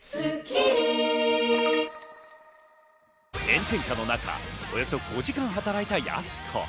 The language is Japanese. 炎天下の中、およそ５時間働いたやす子。